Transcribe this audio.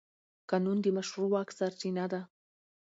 قانون د مشروع واک سرچینه ده.